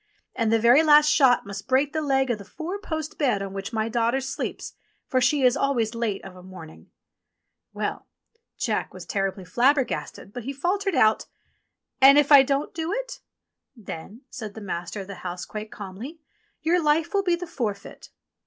And the very last shot must break the leg of the four post bed on which my daughter sleeps, for she is always late of a morning !" Well ! Jack was terribly flabbergasted, but he faltered out : "And if I don't do it?" "Then," said the master of the house quite calmly, "your life will be the forfeit."